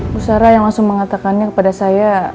bu sarah yang langsung mengatakannya kepada saya